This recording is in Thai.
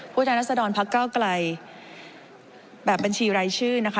แทนรัศดรพักเก้าไกลแบบบัญชีรายชื่อนะคะ